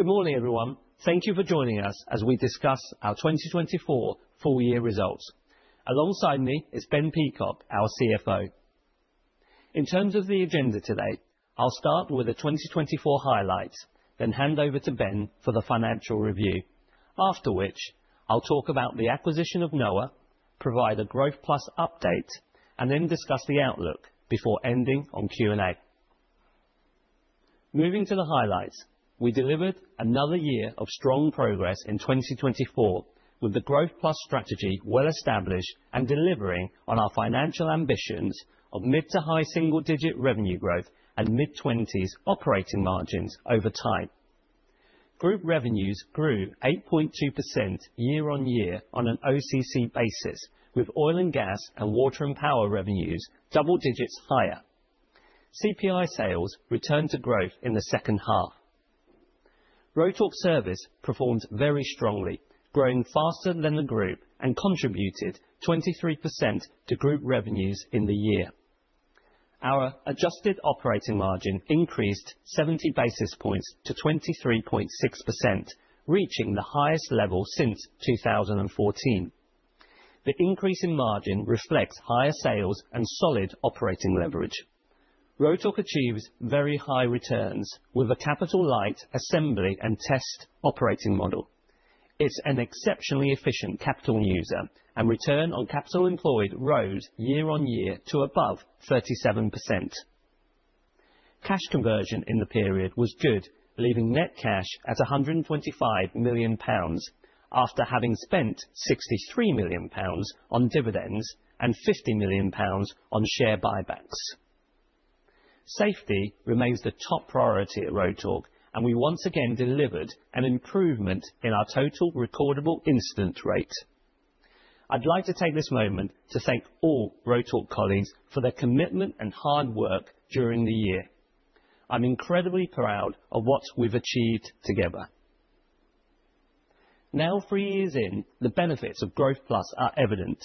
Good morning, everyone. Thank you for joining us as we discuss our 2024 full-year results. Alongside me is Ben Peacock, our CFO. In terms of the agenda today, I'll start with the 2024 highlights, then hand over to Ben for the financial review. After which, I'll talk about the acquisition of NOAH, provide a Growth Plus update, and then discuss the outlook before ending on Q&A. Moving to the highlights, we delivered another year of strong progress in 2024, with the Growth Plus strategy well established and delivering on our financial ambitions of mid to high single-digit revenue growth and mid-20s operating margins over time. Group revenues grew 8.2% year on year on an OCC basis, with oil and gas and water and power revenues double digits higher. CPI sales returned to growth in the second half. Rotork Service performed very strongly, growing faster than the group and contributed 23% to group revenues in the year. Our adjusted operating margin increased 70 basis points to 23.6%, reaching the highest level since 2014. The increase in margin reflects higher sales and solid operating leverage. Rotork achieves very high returns with a capital-light assembly and test operating model. It's an exceptionally efficient capital user, and return on capital employed rose year on year to above 37%. Cash conversion in the period was good, leaving net cash at 125 million pounds after having spent 63 million pounds on dividends and 50 million pounds on share buybacks. Safety remains the top priority at Rotork, and we once again delivered an improvement in our total recordable incident rate. I'd like to take this moment to thank all Rotork colleagues for their commitment and hard work during the year. I'm incredibly proud of what we've achieved together. Now, three years in, the benefits of Growth Plus are evident.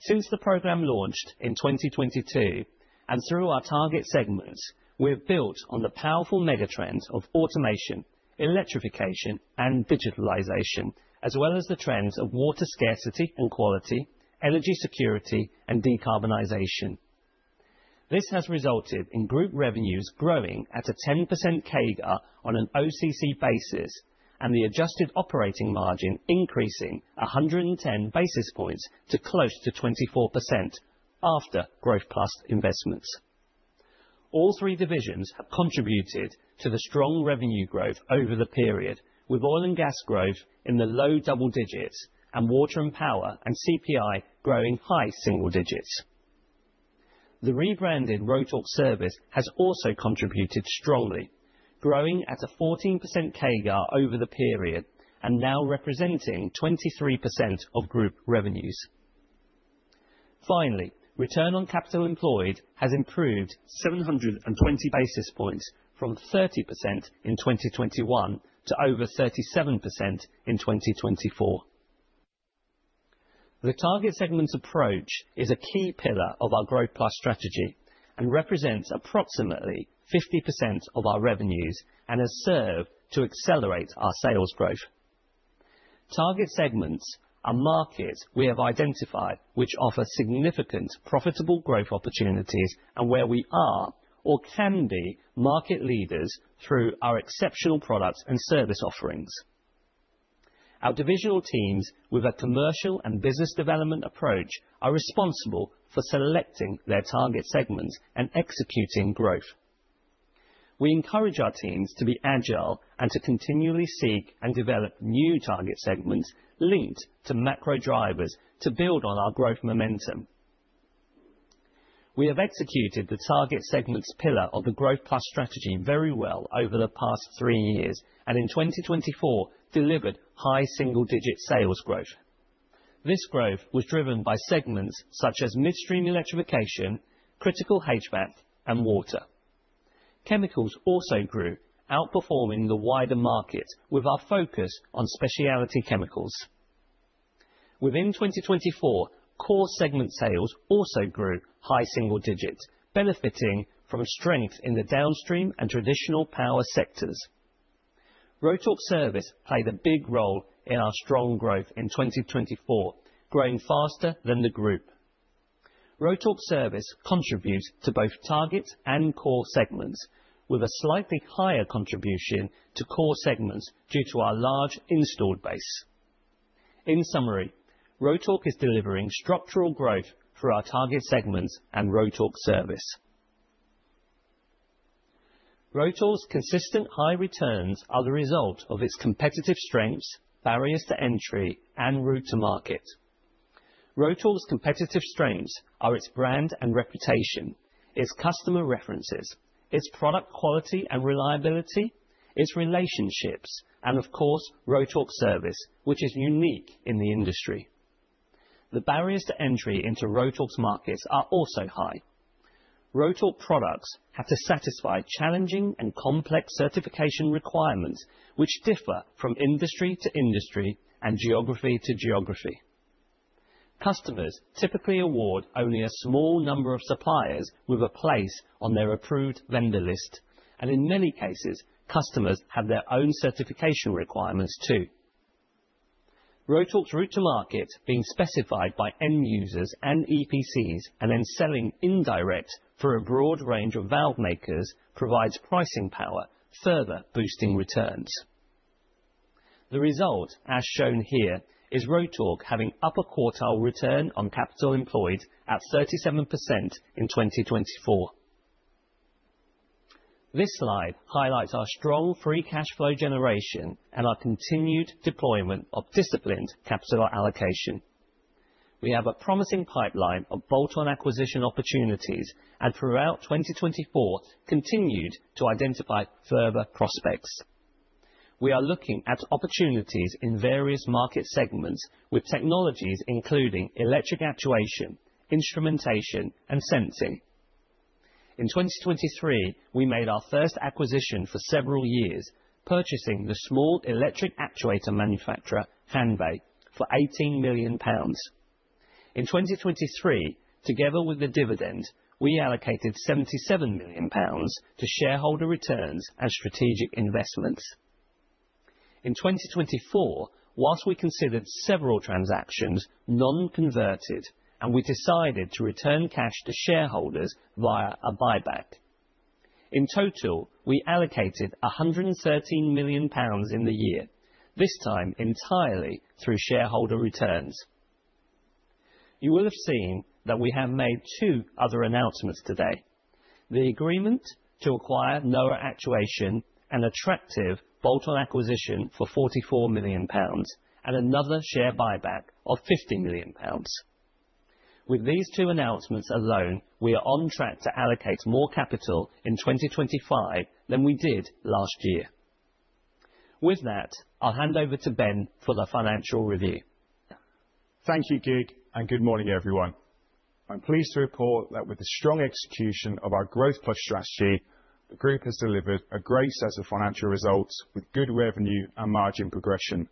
Since the programme launched in 2022 and through our target segments, we've built on the powerful megatrends of automation, electrification, and digitalisation, as well as the trends of water scarcity and quality, energy security, and decarbonisation. This has resulted in group revenues growing at a 10% CAGR on an OCC basis, and the adjusted operating margin increasing 110 basis points to close to 24% after Growth Plus investments. All three divisions have contributed to the strong revenue growth over the period, with oil and gas growth in the low double digits and water and power and CPI growing high single digits. The rebranded Rotork Service has also contributed strongly, growing at a 14% CAGR over the period and now representing 23% of group revenues. Finally, return on capital employed has improved 720 basis points from 30% in 2021 to over 37% in 2024. The target segments approach is a key pillar of our Growth Plus strategy and represents approximately 50% of our revenues and has served to accelerate our sales growth. Target segments are markets we have identified which offer significant profitable growth opportunities and where we are or can be market leaders through our exceptional products and service offerings. Our divisional teams, with a commercial and business development approach, are responsible for selecting their target segments and executing growth. We encourage our teams to be agile and to continually seek and develop new target segments linked to macro drivers to build on our growth momentum. We have executed the target segments pillar of the Growth Plus strategy very well over the past three years and in 2024 delivered high single-digit sales growth. This growth was driven by segments such as midstream electrification, critical HVAC, and water. Chemicals also grew, outperforming the wider market with our focus on speciality chemicals. Within 2024, core segment sales also grew high single digits, benefiting from strength in the downstream and traditional power sectors. Rotork Service played a big role in our strong growth in 2024, growing faster than the group. Rotork Service contributes to both target and core segments, with a slightly higher contribution to core segments due to our large installed base. In summary, Rotork is delivering structural growth through our target segments and Rotork Service. Rotork's consistent high returns are the result of its competitive strengths, barriers to entry, and route to market. Rotork's competitive strengths are its brand and reputation, its customer references, its product quality and reliability, its relationships, and of course, Rotork Service, which is unique in the industry. The barriers to entry into Rotork's markets are also high. Rotork products have to satisfy challenging and complex certification requirements, which differ from industry to industry and geography to geography. Customers typically award only a small number of suppliers with a place on their approved vendor list, and in many cases, customers have their own certification requirements too. Rotork's route to market, being specified by end users and EPCs and then selling indirect through a broad range of valve makers, provides pricing power, further boosting returns. The result, as shown here, is Rotork having upper quartile return on capital employed at 37% in 2024. This slide highlights our strong free cash flow generation and our continued deployment of disciplined capital allocation. We have a promising pipeline of bolt-on acquisition opportunities and throughout 2024 continued to identify further prospects. We are looking at opportunities in various market segments with technologies including electric actuation, instrumentation, and sensing. In 2023, we made our first acquisition for several years, purchasing the small electric actuator manufacturer Hanbay for 18 million pounds. In 2023, together with the dividend, we allocated 77 million pounds to shareholder returns and strategic investments. In 2024, whilst we considered several transactions non-converted, we decided to return cash to shareholders via a buyback. In total, we allocated 113 million pounds in the year, this time entirely through shareholder returns. You will have seen that we have made two other announcements today: the agreement to acquire NOAH Actuation, an attractive bolt-on acquisition for GBP 44 million, and another share buyback of GBP 50 million. With these two announcements alone, we are on track to allocate more capital in 2025 than we did last year. With that, I'll hand over to Ben for the financial review. Thank you, Kiet, and good morning, everyone. I'm pleased to report that with the strong execution of our Growth Plus strategy, the group has delivered a great set of financial results with good revenue and margin progression,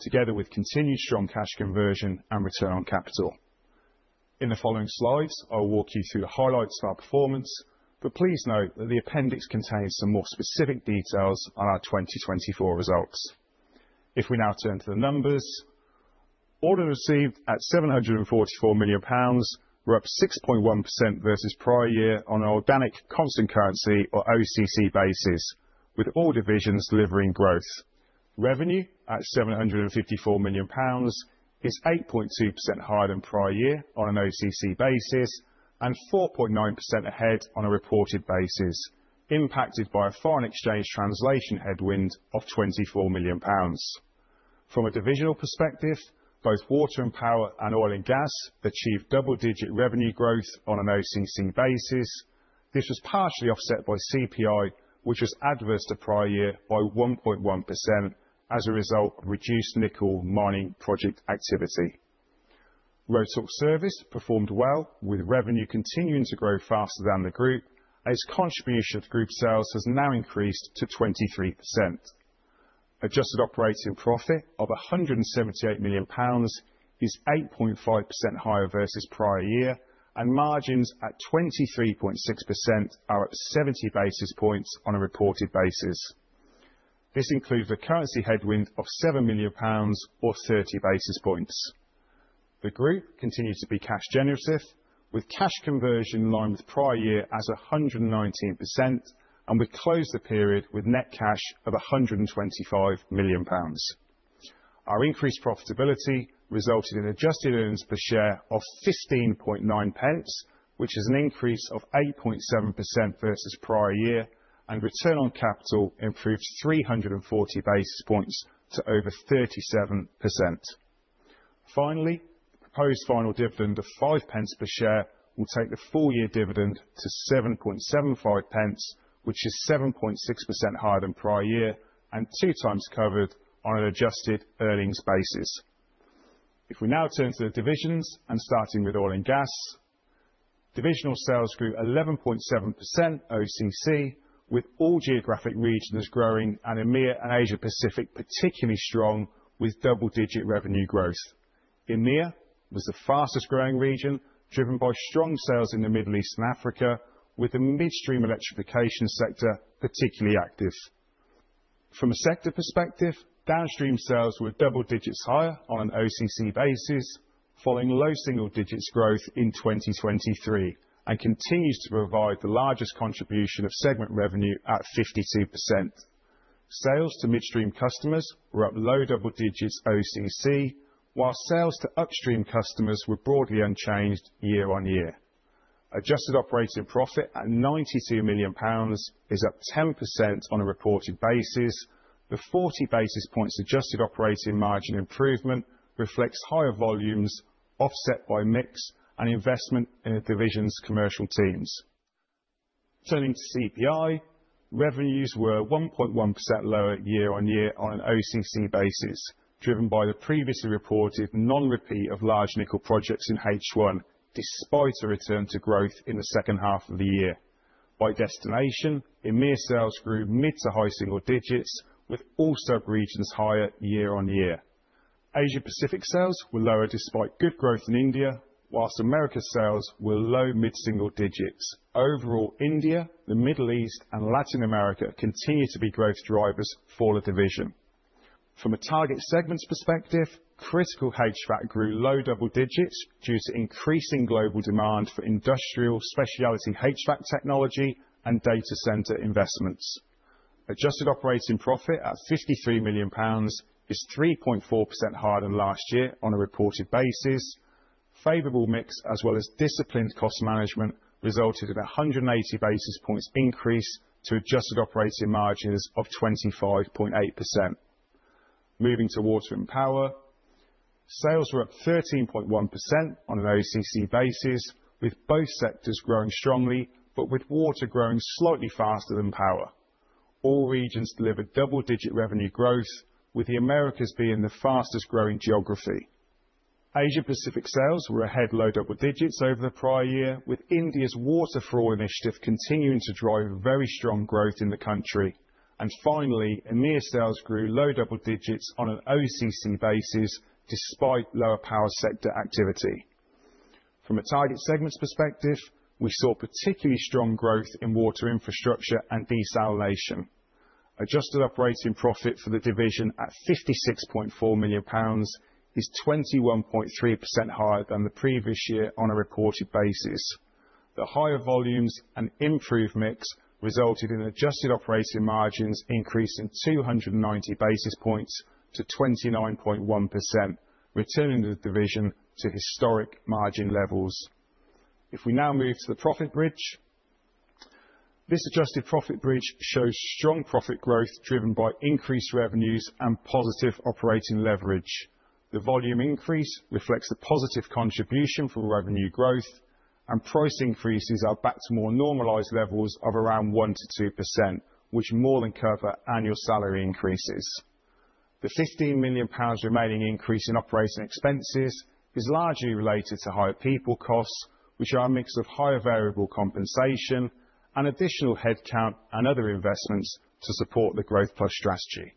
together with continued strong cash conversion and return on capital. In the following slides, I'll walk you through the highlights of our performance, but please note that the appendix contains some more specific details on our 2024 results. If we now turn to the numbers, orders received at 744 million pounds were up 6.1% versus prior year on an organic constant currency or OCC basis, with all divisions delivering growth. Revenue at 754 million pounds is 8.2% higher than prior year on an OCC basis and 4.9% ahead on a reported basis, impacted by a foreign exchange translation headwind of 24 million pounds. From a divisional perspective, both water and power and oil and gas achieved double-digit revenue growth on an OCC basis. This was partially offset by CPI, which was adverse to prior year by 1.1% as a result of reduced nickel mining project activity. Rotork Service performed well, with revenue continuing to grow faster than the group, and its contribution to group sales has now increased to 23%. Adjusted operating profit of 178 million pounds is 8.5% higher versus prior year, and margins at 23.6% are up 70 basis points on a reported basis. This includes a currency headwind of 7 million pounds or 30 basis points. The group continues to be cash generative, with cash conversion in line with prior year at 119%, and we closed the period with net cash of 125 million pounds. Our increased profitability resulted in adjusted earnings per share of 15.9, which is an increase of 8.7% versus prior year, and return on capital improved 340 basis points to over 37%. Finally, the proposed final dividend of 0.05 per share will take the full-year dividend to 7.75, which is 7.6% higher than prior year and two times covered on an adjusted earnings basis. If we now turn to the divisions and starting with oil and gas, divisional sales grew 11.7% OCC, with all geographic regions growing and EMEA and Asia-Pacific particularly strong with double-digit revenue growth. EMEA was the fastest growing region, driven by strong sales in the Middle East and Africa, with the midstream electrification sector particularly active. From a sector perspective, downstream sales were double digits higher on an OCC basis, following low single digits growth in 2023 and continues to provide the largest contribution of segment revenue at 52%. Sales to midstream customers were up low double digits OCC, while sales to upstream customers were broadly unchanged year on year. Adjusted operating profit at 92 million pounds is up 10% on a reported basis, but 40 basis points adjusted operating margin improvement reflects higher volumes offset by mix and investment in the division's commercial teams. Turning to CPI, revenues were 1.1% lower year on year on an OCC basis, driven by the previously reported non-repeat of large nickel projects in the first half, despite a return to growth in the second half of the year. By destination, EMEA sales grew mid to high single digits, with all subregions higher year on year. Asia-Pacific sales were lower despite good growth in India, whilst Americas sales were low mid-single digits. Overall, India, the Middle East, and Latin America continue to be growth drivers for the division. From a target segments perspective, critical HVAC grew low double digits due to increasing global demand for industrial specialty HVAC technology and data centre investments. Adjusted operating profit at 53 million pounds is 3.4% higher than last year on a reported basis. Favourable mix, as well as disciplined cost management, resulted in a 180 basis points increase to adjusted operating margins of 25.8%. Moving to water and power, sales were up 13.1% on an OCC basis, with both sectors growing strongly, but with water growing slightly faster than power. All regions delivered double-digit revenue growth, with the Americas being the fastest growing geography. Asia-Pacific sales were ahead low double digits over the prior year, with India's water for all initiative continuing to drive very strong growth in the country. Finally, EMEA sales grew low double digits on an OCC basis, despite lower power sector activity. From a target segments perspective, we saw particularly strong growth in water infrastructure and desalination. Adjusted operating profit for the division at 56.4 million pounds is 21.3% higher than the previous year on a reported basis. The higher volumes and improved mix resulted in adjusted operating margins increasing 290 basis points to 29.1%, returning the division to historic margin levels. If we now move to the profit bridge, this adjusted profit bridge shows strong profit growth driven by increased revenues and positive operating leverage. The volume increase reflects a positive contribution from revenue growth, and price increases are back to more normalized levels of around 1-2%, which more than cover annual salary increases. The 15 million pounds remaining increase in operating expenses is largely related to higher people costs, which are a mix of higher variable compensation and additional headcount and other investments to support the Growth Plus strategy.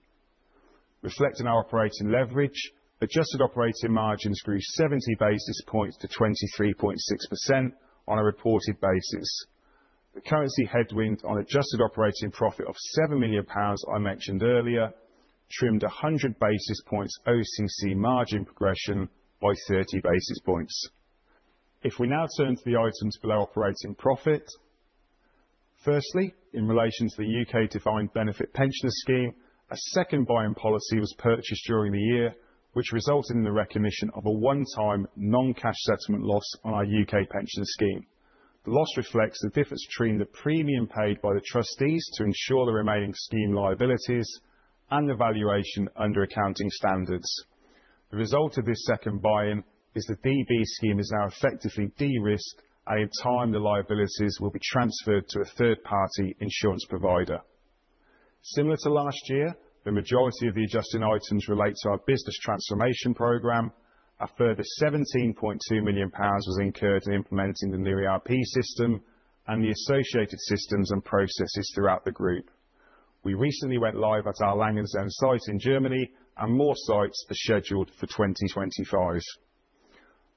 Reflecting our operating leverage, adjusted operating margins grew 70 basis points to 23.6% on a reported basis. The currency headwind on adjusted operating profit of 7 million pounds I mentioned earlier trimmed 100 basis points OCC margin progression by 30 basis points. If we now turn to the items below operating profit, firstly, in relation to the U.K. defined benefit pension scheme, a second buy-in policy was purchased during the year, which resulted in the recognition of a one-time non-cash settlement loss on our U.K. pension scheme. The loss reflects the difference between the premium paid by the trustees to insure the remaining scheme liabilities and the valuation under accounting standards. The result of this second buy-in is the DB scheme is now effectively de-risked, and in time, the liabilities will be transferred to a third-party insurance provider. Similar to last year, the majority of the adjusted items relate to our business transformation program. A further 17.2 million pounds was incurred in implementing the new ERP system and the associated systems and processes throughout the group. We recently went live at our Langenstein site in Germany, and more sites are scheduled for 2025.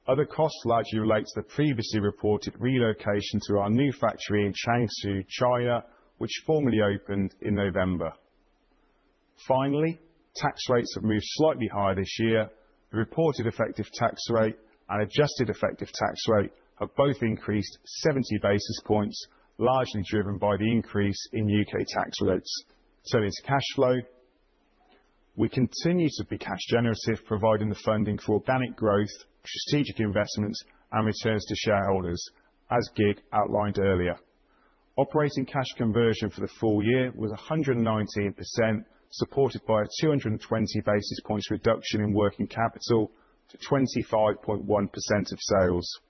Other costs largely relate to the previously reported relocation to our new factory in Changshu, China, which formally opened in November. Finally, tax rates have moved slightly higher this year. The reported effective tax rate and adjusted effective tax rate have both increased 70 basis points, largely driven by the increase in U.K. tax rates. Turning to cash flow, we continue to be cash generative, providing the funding for organic growth, strategic investments, and returns to shareholders, as Kiet outlined earlier. Operating cash conversion for the full year was 119%, supported by a 220 basis points reduction in working capital to 25.1% of sales.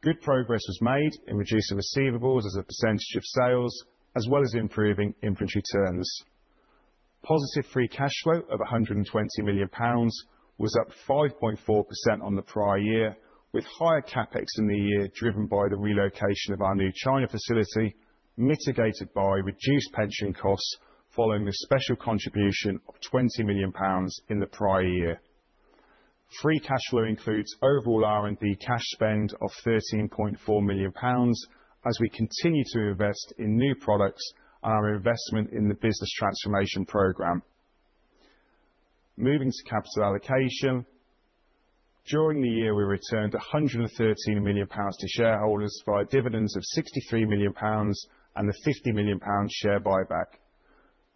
Good progress was made in reducing receivables as a percentage of sales, as well as improving inventory terms. Positive free cash flow of 120 million pounds was up 5.4% on the prior year, with higher CapEx in the year driven by the relocation of our new China facility, mitigated by reduced pension costs following a special contribution of 20 million pounds in the prior year. Free cash flow includes overall R&D cash spend of 13.4 million pounds as we continue to invest in new products and our investment in the business transformation program. Moving to capital allocation, during the year, we returned 113 million pounds to shareholders via dividends of 63 million pounds and the 50 million pounds share buyback .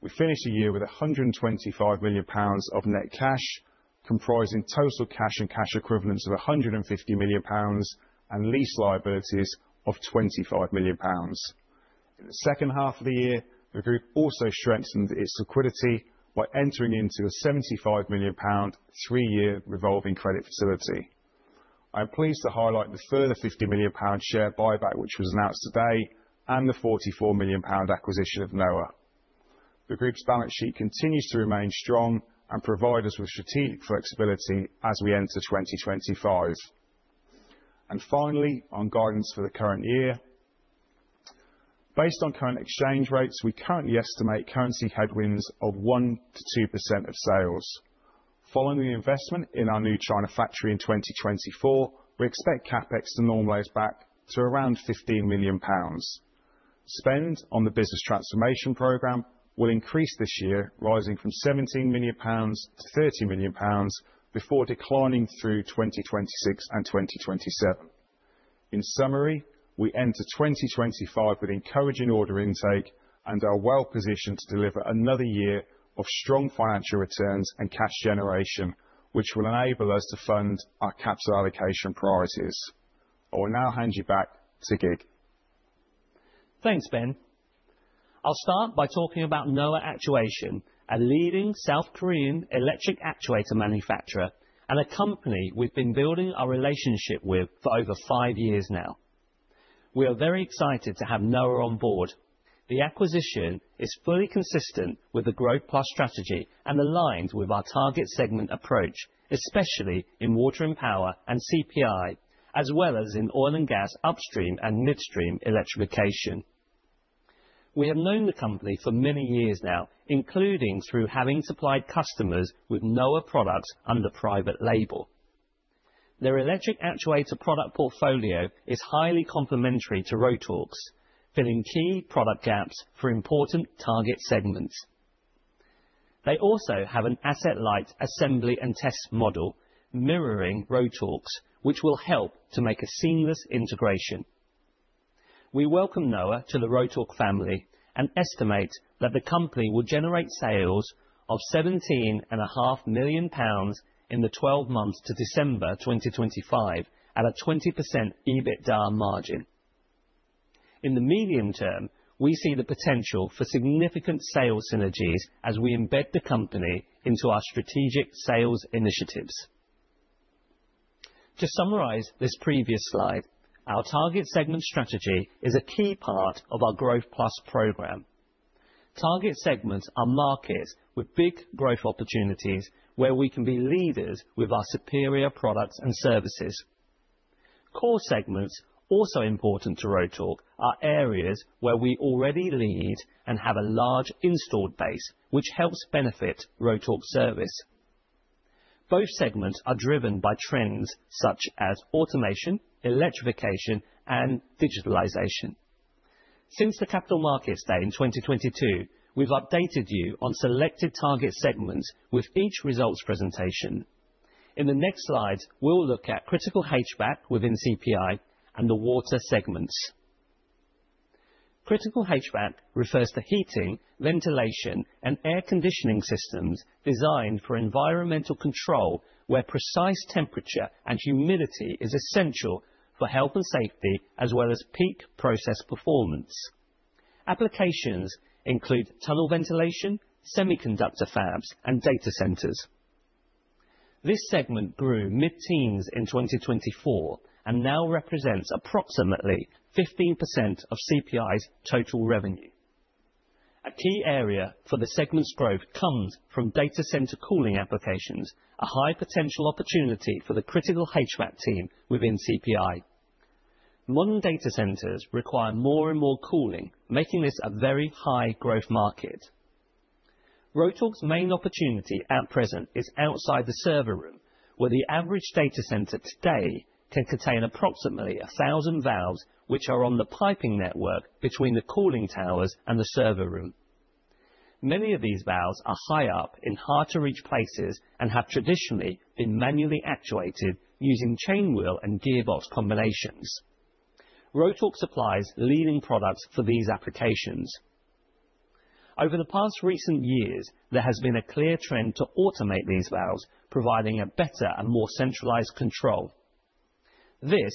We finished the year with 125 million pounds of net cash, comprising total cash and cash equivalents of 150 million pounds and lease liabilities of 25 million pounds. In the second half of the year, the group also strengthened its liquidity by entering into a 75 million pound three-year revolving credit facility. I am pleased to highlight the further 50 million pound share buyback, which was announced today, and the 44 million pound acquisition of NOAH. The group's balance sheet continues to remain strong and provide us with strategic flexibility as we enter 2025. Finally, on guidance for the current year, based on current exchange rates, we currently estimate currency headwinds of 1-2% of sales. Following the investment in our new China factory in 2024, we expect CapEx to normalize back to around 15 million pounds. Spend on the business transformation program will increase this year, rising from 17 million pounds to 30 million pounds before declining through 2026 and 2027. In summary, we enter 2025 with encouraging order intake and are well positioned to deliver another year of strong financial returns and cash generation, which will enable us to fund our capital allocation priorities. I will now hand you back to Kiet. Thanks, Ben. I'll start by talking about NOAH Actuation, a leading South Korean electric actuator manufacturer and a company we've been building our relationship with for over five years now. We are very excited to have NOAH on board. The acquisition is fully consistent with the Growth Plus strategy and aligned with our target segment approach, especially in water and power and CPI, as well as in oil and gas upstream and midstream electrification. We have known the company for many years now, including through having supplied customers with NOAH products under private label. Their electric actuator product portfolio is highly complementary to Rotork's, filling key product gaps for important target segments. They also have an asset-light assembly and test model mirroring Rotork's, which will help to make a seamless integration. We welcome NOAH to the Rotork family and estimate that the company will generate sales of 17.5 million pounds in the 12 months to December 2025 at a 20% EBITDA margin. In the medium term, we see the potential for significant sales synergies as we embed the company into our strategic sales initiatives. To summarize this previous slide, our target segment strategy is a key part of our Growth Plus program. Target segments are markets with big growth opportunities where we can be leaders with our superior products and services. Core segments, also important to Rotork, are areas where we already lead and have a large installed base, which helps benefit Rotork Service. Both segments are driven by trends such as automation, electrification, and digitalization. Since the capital markets day in 2022, we've updated you on selected target segments with each results presentation. In the next slides, we'll look at critical HVAC within CPI and the water segments. Critical HVAC refers to heating, ventilation, and air conditioning systems designed for environmental control, where precise temperature and humidity is essential for health and safety, as well as peak process performance. Applications include tunnel ventilation, semiconductor fabs, and data centres. This segment grew mid-teens in 2024 and now represents approximately 15% of CPI's total revenue. A key area for the segment's growth comes from data centre cooling applications, a high potential opportunity for the critical HVAC team within CPI. Modern data centres require more and more cooling, making this a very high growth market. Rotork's main opportunity at present is outside the server room, where the average data centre today can contain approximately 1,000 valves, which are on the piping network between the cooling towers and the server room. Many of these valves are high up in hard-to-reach places and have traditionally been manually actuated using chain wheel and gearbox combinations. Rotork supplies leading products for these applications. Over the past recent years, there has been a clear trend to automate these valves, providing a better and more centralised control. This,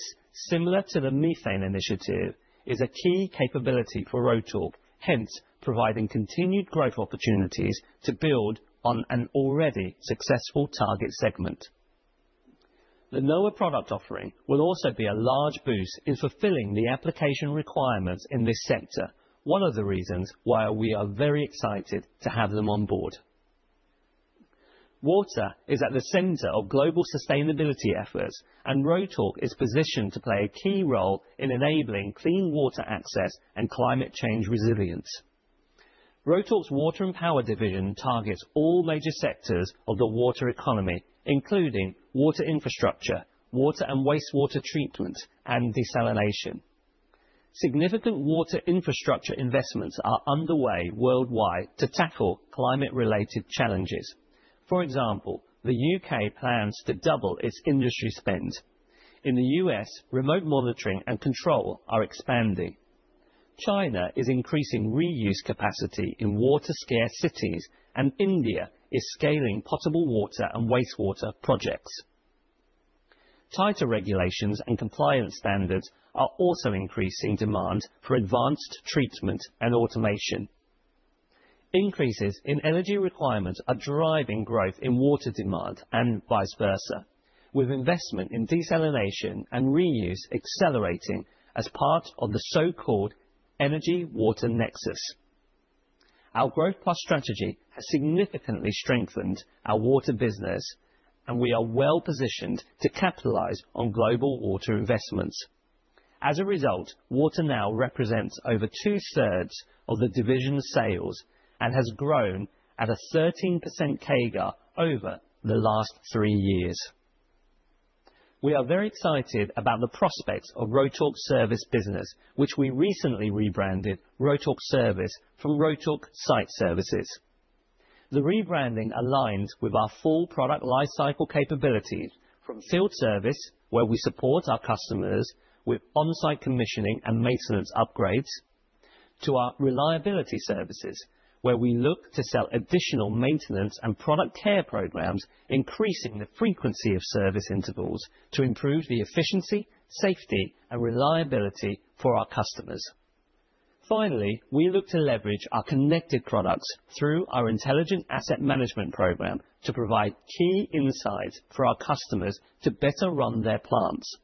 similar to the methane initiative, is a key capability for Rotork, hence providing continued growth opportunities to build on an already successful target segment. The NOAH product offering will also be a large boost in fulfilling the application requirements in this sector, one of the reasons why we are very excited to have them on board. Water is at the centre of global sustainability efforts, and Rotork is positioned to play a key role in enabling clean water access and climate change resilience. Rotork's water and power division targets all major sectors of the water economy, including water infrastructure, water and wastewater treatment, and desalination. Significant water infrastructure investments are underway worldwide to tackle climate-related challenges. For example, the U.K. plans to double its industry spend. In the U.S., remote monitoring and control are expanding. China is increasing reuse capacity in water-scarce cities, and India is scaling potable water and wastewater projects. Tighter regulations and compliance standards are also increasing demand for advanced treatment and automation. Increases in energy requirements are driving growth in water demand and vice versa, with investment in desalination and reuse accelerating as part of the so-called energy-water nexus. Our Growth Plus strategy has significantly strengthened our water business, and we are well positioned to capitalise on global water investments. As a result, water now represents over two-thirds of the division's sales and has grown at a 13% CAGR over the last three years. We are very excited about the prospects of Rotork Service Business, which we recently rebranded Rotork Service from Rotork Site Services. The rebranding aligns with our full product lifecycle capabilities from field service, where we support our customers with on-site commissioning and maintenance upgrades, to our reliability services, where we look to sell additional maintenance and product care programs, increasing the frequency of service intervals to improve the efficiency, safety, and reliability for our customers. Finally, we look to leverage our connected products through our intelligent asset management program to provide key insights for our customers to better run their plants.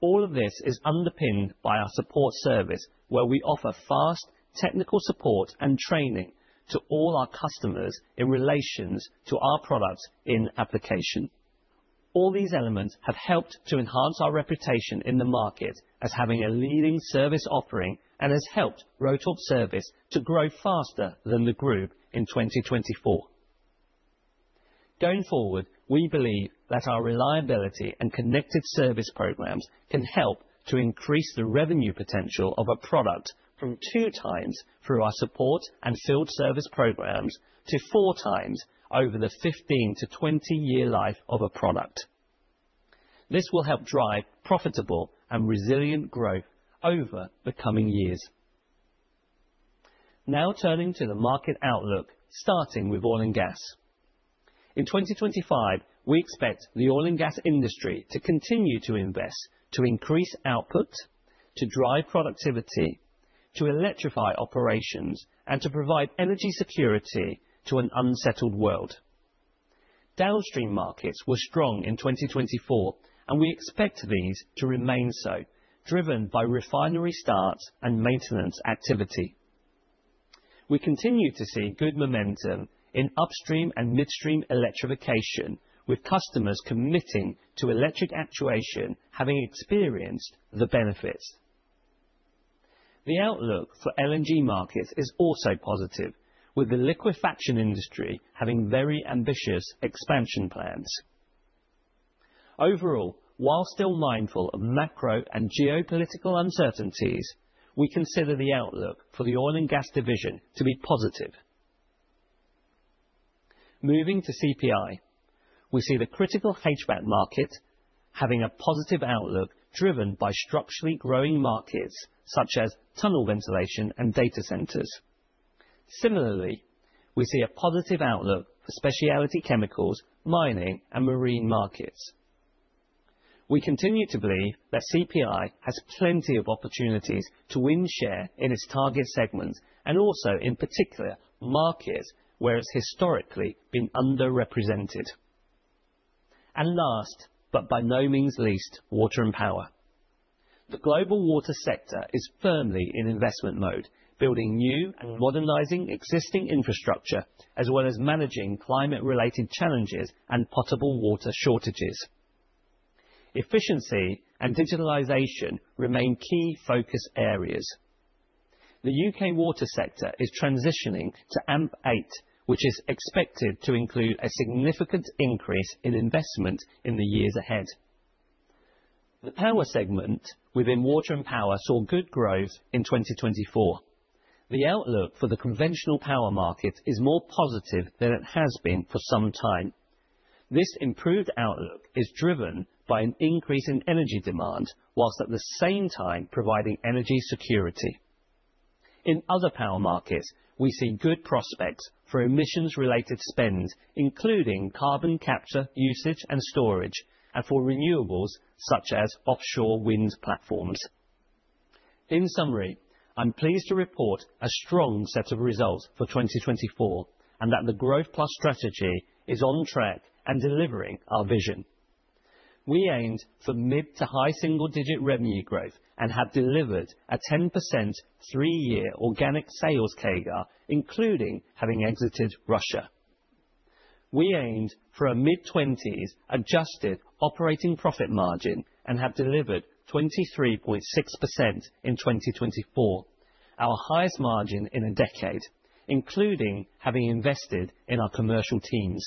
All of this is underpinned by our support service, where we offer fast technical support and training to all our customers in relation to our products in application. All these elements have helped to enhance our reputation in the market as having a leading service offering and has helped Rotork Service to grow faster than the group in 2024. Going forward, we believe that our reliability and connected service programs can help to increase the revenue potential of a product from two times through our support and field service programs to four times over the 15- to 20-year life of a product. This will help drive profitable and resilient growth over the coming years. Now turning to the market outlook, starting with oil and gas. In 2025, we expect the oil and gas industry to continue to invest to increase output, to drive productivity, to electrify operations, and to provide energy security to an unsettled world. Downstream markets were strong in 2024, and we expect these to remain so, driven by refinery starts and maintenance activity. We continue to see good momentum in upstream and midstream electrification, with customers committing to electric actuation having experienced the benefits. The outlook for LNG markets is also positive, with the liquefaction industry having very ambitious expansion plans. Overall, while still mindful of macro and geopolitical uncertainties, we consider the outlook for the oil and gas division to be positive. Moving to CPI, we see the critical HVAC market having a positive outlook driven by structurally growing markets such as tunnel ventilation and data centres. Similarly, we see a positive outlook for speciality chemicals, mining, and marine markets. We continue to believe that CPI has plenty of opportunities to win share in its target segments and also in particular markets where it has historically been underrepresented. Last, but by no means least, water and power. The global water sector is firmly in investment mode, building new and modernizing existing infrastructure, as well as managing climate-related challenges and potable water shortages. Efficiency and digitalization remain key focus areas. The U.K. water sector is transitioning to AMP8, which is expected to include a significant increase in investment in the years ahead. The power segment within water and power saw good growth in 2024. The outlook for the conventional power market is more positive than it has been for some time. This improved outlook is driven by an increase in energy demand, while at the same time providing energy security. In other power markets, we see good prospects for emissions-related spend, including carbon capture, usage, and storage, and for renewables such as offshore wind platforms. In summary, I'm pleased to report a strong set of results for 2024 and that the Growth Plus strategy is on track and delivering our vision. We aimed for mid to high single-digit revenue growth and have delivered a 10% three-year organic sales CAGR, including having exited Russia. We aimed for a mid-20s adjusted operating profit margin and have delivered 23.6% in 2024, our highest margin in a decade, including having invested in our commercial teams.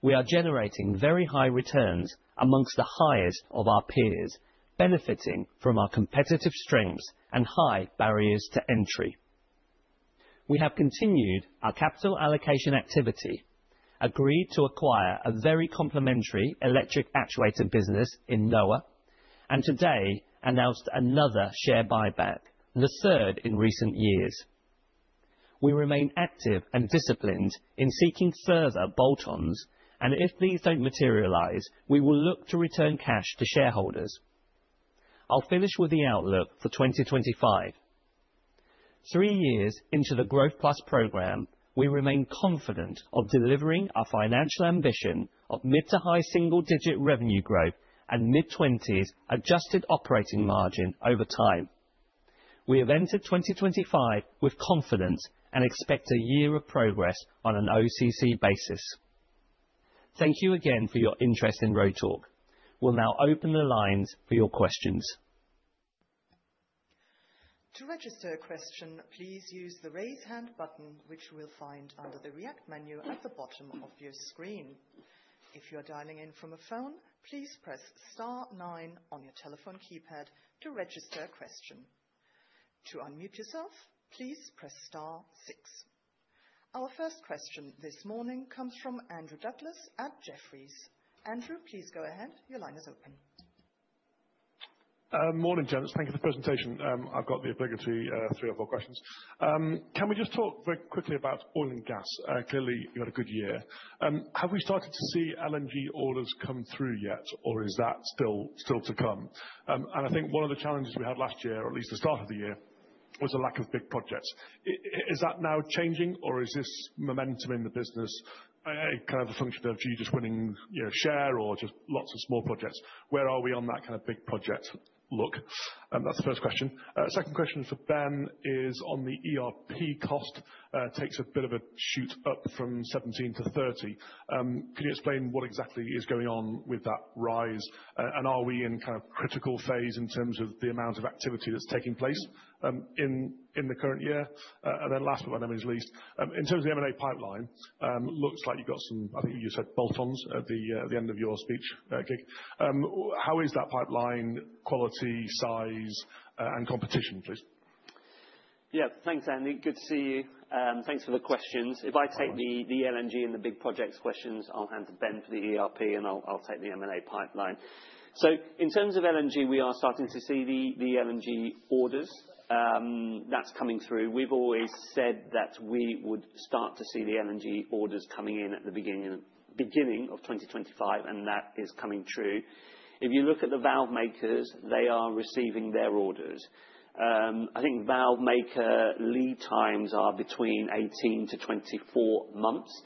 We are generating very high returns amongst the highest of our peers, benefiting from our competitive strengths and high barriers to entry. We have continued our capital allocation activity, agreed to acquire a very complementary electric actuator business in NOAH, and today announced another share buyback, the third in recent years. We remain active and disciplined in seeking further bolt-ons, and if these do not materialize, we will look to return cash to shareholders. I will finish with the outlook for 2025. Three years into the Growth Plus program, we remain confident of delivering our financial ambition of mid to high single-digit revenue growth and mid-20s adjusted operating margin over time. We have entered 2025 with confidence and expect a year of progress on an OCC basis. Thank you again for your interest in Rotork. We will now open the lines for your questions. To register a question, please use the raise hand button, which you will find under the react menu at the bottom of your screen. If you are dialing in from a phone, please press star nine on your telephone keypad to register a question. To unmute yourself, please press star six. Our first question this morning comes from Andrew Douglas at Jefferies. Andrew, please go ahead. Your line is open. Morning, gents. Thank you for the presentation. I've got the ability to ask three or four questions. Can we just talk very quickly about oil and gas? Clearly, you had a good year. Have we started to see LNG orders come through yet, or is that still to come? I think one of the challenges we had last year, or at least the start of the year, was a lack of big projects. Is that now changing, or is this momentum in the business kind of a function of you just winning share or just lots of small projects? Where are we on that kind of big project look? That's the first question. Second question for Ben is on the ERP cost. It takes a bit of a shoot up from 17 to 30. Could you explain what exactly is going on with that rise? Are we in kind of critical phase in terms of the amount of activity that's taking place in the current year? Last but not least, in terms of the M&A pipeline, it looks like you've got some, I think you said bolt-ons at the end of your speech, Kiet. How is that pipeline quality, size, and competition, please? Yeah, thanks, Andy. Good to see you. Thanks for the questions. If I take the LNG and the big projects questions, I'll hand to Ben for the ERP, and I'll take the M&A pipeline. In terms of LNG, we are starting to see the LNG orders that are coming through. We have always said that we would start to see the LNG orders coming in at the beginning of 2025, and that is coming true. If you look at the valve makers, they are receiving their orders. I think valve maker lead times are between 18-24 months.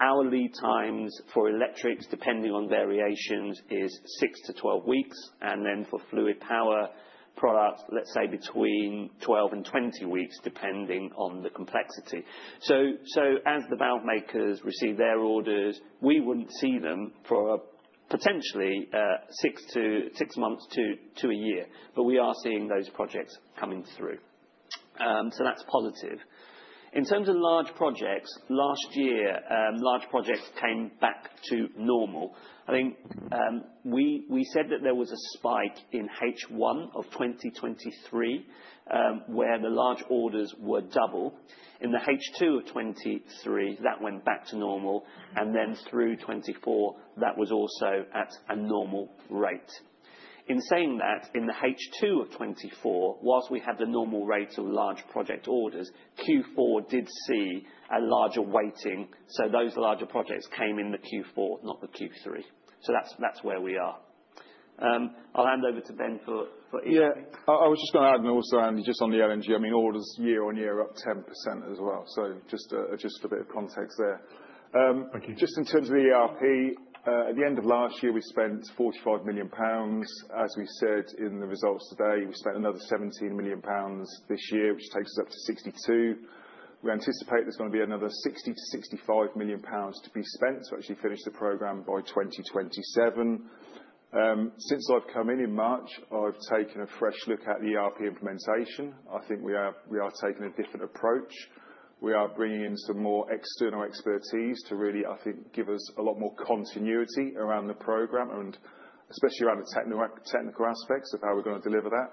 Our lead times for electrics, depending on variations, are 6-12 weeks. For fluid power products, let's say between 12-20 weeks, depending on the complexity. As the valve makers receive their orders, we would not see them for potentially six months to a year, but we are seeing those projects coming through. That is positive. In terms of large projects, last year, large projects came back to normal. I think we said that there was a spike in H1 of 2023 where the large orders were doubled. In the H2 of 2023, that went back to normal. In 2024, that was also at a normal rate. In saying that, in the H2 of 2024, whilst we had the normal rates of large project orders, Q4 did see a larger weighting. Those larger projects came in the Q4, not the Q3. That is where we are. I'll hand over to Ben for ERP. Yeah, I was just going to add, and also, Andy, just on the LNG, I mean, orders year on year are up 10% as well. Just a bit of context there. Just in terms of the ERP, at the end of last year, we spent 45 million pounds. As we said in the results today, we spent another 17 million pounds this year, which takes us up to 62 million. We anticipate there's going to be another 60-65 million pounds to be spent to actually finish the program by 2027. Since I've come in in March, I've taken a fresh look at the ERP implementation. I think we are taking a different approach. We are bringing in some more external expertise to really, I think, give us a lot more continuity around the program, and especially around the technical aspects of how we're going to deliver that.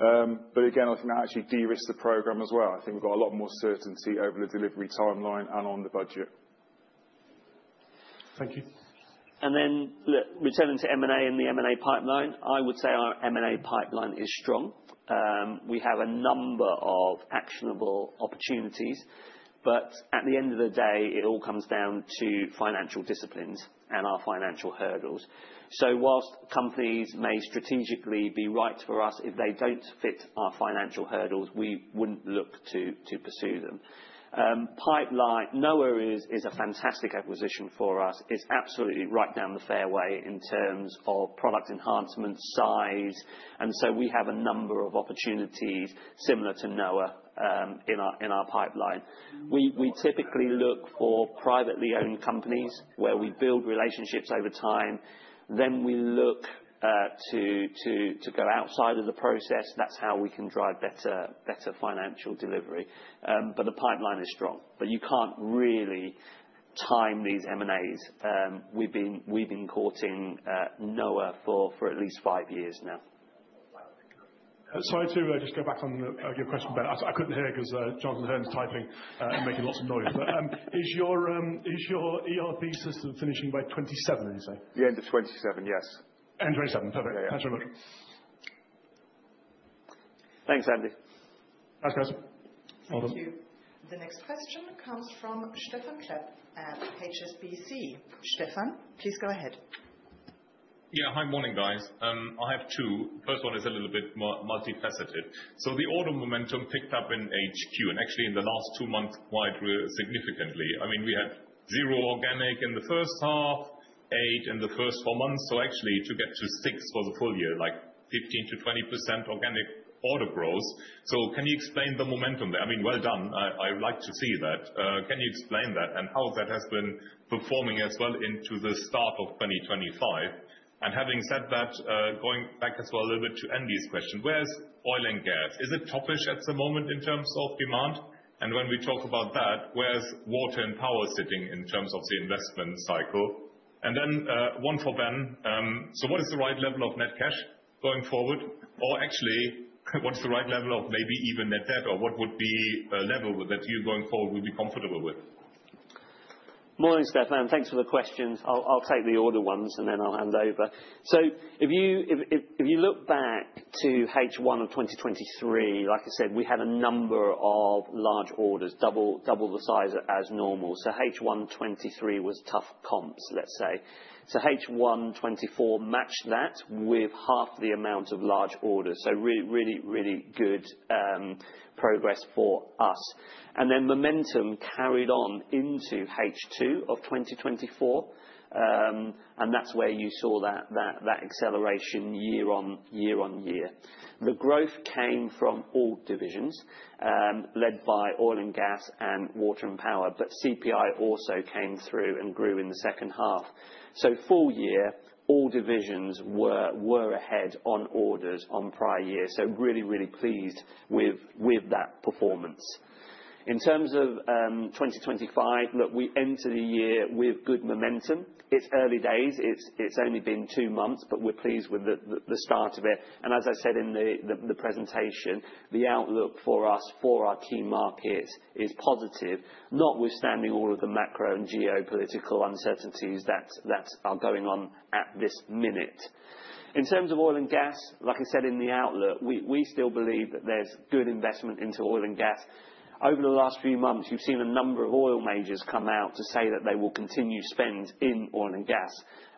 I think that actually de-risked the program as well. I think we've got a lot more certainty over the delivery timeline and on the budget. Thank you. Returning to M&A and the M&A pipeline, I would say our M&A pipeline is strong. We have a number of actionable opportunities, but at the end of the day, it all comes down to financial disciplines and our financial hurdles. Whilst companies may strategically be right for us, if they do not fit our financial hurdles, we would not look to pursue them. Pipeline, NOAH is a fantastic acquisition for us. It is absolutely right down the fairway in terms of product enhancement, size. We have a number of opportunities similar to NOAH in our pipeline. We typically look for privately owned companies where we build relationships over time. We look to go outside of the process. That is how we can drive better financial delivery. The pipeline is strong. You cannot really time these M&As. We have been courting NOAH for at least five years now. Sorry to just go back on your question, but I could not hear because Jonathan Hearn is typing and making lots of noise. Is your ERP system finishing by 2027, did you say? The end of 2027, yes. End of 2027, perfect. Thanks very much. Thanks, Andy. Thanks, guys. Thank you. The next question comes from Stefan Klep at HSBC. Stefan, please go ahead. Yeah, hi, morning, guys. I have two. The first one is a little bit more multifaceted. The order momentum picked up in HQ, and actually in the last two months, quite significantly. I mean, we had zero organic in the first half, eight in the first four months. To get to six for the full year, like 15%-20% organic order growth. Can you explain the momentum there? I mean, well done. I like to see that. Can you explain that and how that has been performing as well into the start of 2025? Having said that, going back as well a little bit to Andy's question, where's oil and gas? Is it toppish at the moment in terms of demand? When we talk about that, where's water and power sitting in terms of the investment cycle? One for Ben. What is the right level of net cash going forward? Or actually, what's the right level of maybe even net debt? What would be a level that you going forward would be comfortable with? Morning, Stefan. Thanks for the questions. I'll take the order ones, and then I'll hand over. If you look back to H1 of 2023, like I said, we had a number of large orders, double the size as normal. H1 2023 was tough comps, let's say. H1 2024 matched that with half the amount of large orders. Really, really, really good progress for us. Momentum carried on into H2 of 2024. That is where you saw that acceleration year on year. The growth came from all divisions led by oil and gas and water and power, but CPI also came through and grew in the second half. Full year, all divisions were ahead on orders on prior year. Really, really pleased with that performance. In terms of 2025, look, we enter the year with good momentum. It's early days. It's only been two months, but we're pleased with the start of it. As I said in the presentation, the outlook for us for our key markets is positive, notwithstanding all of the macro and geopolitical uncertainties that are going on at this minute. In terms of oil and gas, like I said in the outlook, we still believe that there is good investment into oil and gas. Over the last few months, you have seen a number of oil majors come out to say that they will continue to spend in oil and gas.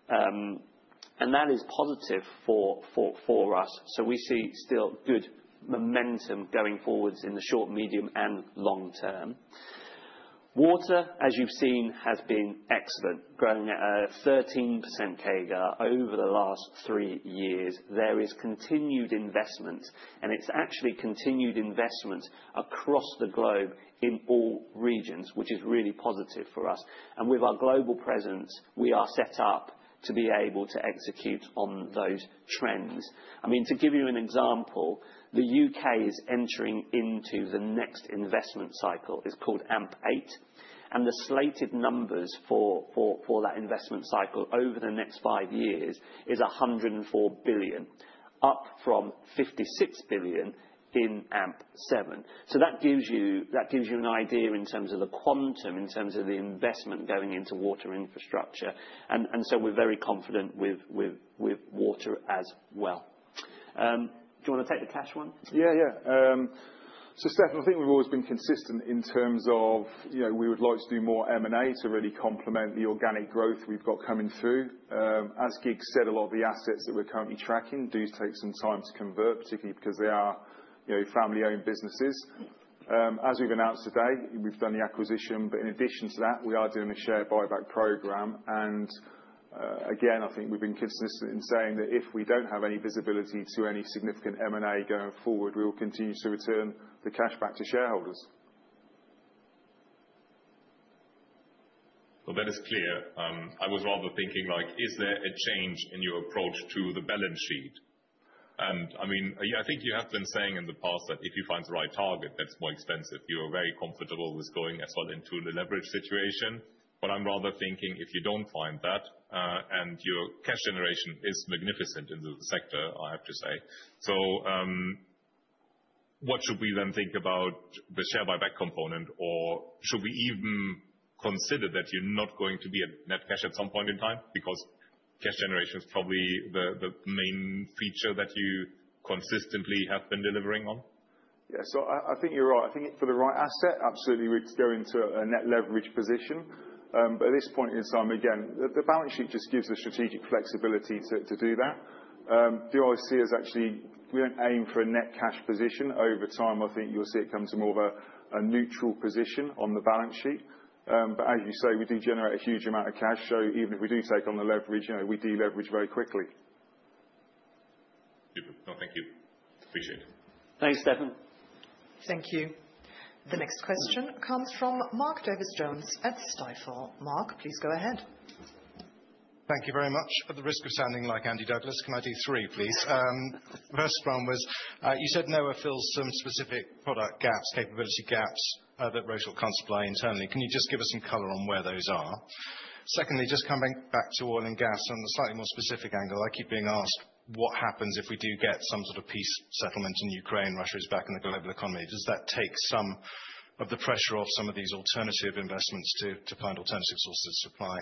That is positive for us. We see still good momentum going forwards in the short, medium, and long term. Water, as you have seen, has been excellent, growing at a 13% CAGR over the last three years. There is continued investment, and it is actually continued investment across the globe in all regions, which is really positive for us. With our global presence, we are set up to be able to execute on those trends. I mean, to give you an example, the U.K. is entering into the next investment cycle. It's called AMP8. The slated numbers for that investment cycle over the next five years is 104 billion, up from 56 billion in AMP7. That gives you an idea in terms of the quantum, in terms of the investment going into water infrastructure. We are very confident with water as well. Do you want to take the cash one? Yeah, yeah. Stefan, I think we've always been consistent in terms of we would like to do more M&A to really complement the organic growth we've got coming through. As Kiet said, a lot of the assets that we're currently tracking do take some time to convert, particularly because they are family-owned businesses. As we've announced today, we've done the acquisition, but in addition to that, we are doing a share buyback program. I think we've been consistent in saying that if we don't have any visibility to any significant M&A going forward, we will continue to return the cash back to shareholders. That is clear. I was rather thinking, is there a change in your approach to the balance sheet? I mean, I think you have been saying in the past that if you find the right target, that's more expensive. You are very comfortable with going as well into the leverage situation. I'm rather thinking if you don't find that, and your cash generation is magnificent in the sector, I have to say. What should we then think about the share buyback component, or should we even consider that you're not going to be at net cash at some point in time? Because cash generation is probably the main feature that you consistently have been delivering on. Yeah, I think you're right. I think for the right asset, absolutely, we'd go into a net leverage position. At this point in time, again, the balance sheet just gives us strategic flexibility to do that. The OIC is actually, we don't aim for a net cash position. Over time, I think you'll see it comes to more of a neutral position on the balance sheet. As you say, we do generate a huge amount of cash. Even if we do take on the leverage, we de-leverage very quickly. Super. No, thank you. Appreciate it. Thanks, Stefan. Thank you. The next question comes from Mark Davis Jones at Stifel. Mark, please go ahead. Thank you very much. At the risk of sounding like Andy Douglas, can I do three, please? First one was, you said NOAH fills some specific product gaps, capability gaps that Rotork cannot supply internally. Can you just give us some color on where those are? Secondly, just coming back to oil and gas on a slightly more specific angle, I keep being asked what happens if we do get some sort of peace settlement in Ukraine, Russia is back in the global economy. Does that take some of the pressure off some of these alternative investments to find alternative sources of supply?